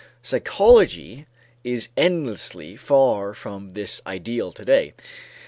Psychology is endlessly far from this ideal to day.